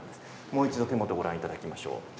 もう一度、手元をご覧いただきましょう。